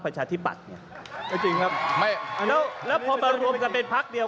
ให้จบเลย